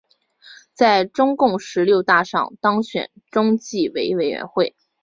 在中共十六大上当选中纪委委员。